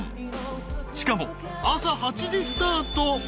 ［しかも朝８時スタート］